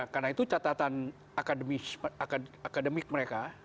karena itu catatan akademik mereka